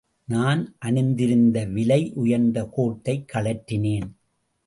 நான் அணிந்திருந்த விலை உயர்ந்த கோட்டைக் கழற்றினேன்.